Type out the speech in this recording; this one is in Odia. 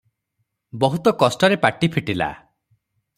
ବହୁତ କଷ୍ଟରେ ପାଟି ଫିଟିଲା ।